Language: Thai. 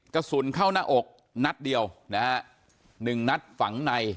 กระสุนเข้าหน้าอกนัดเดียวนะฮะหนึ่งนัดฝังใน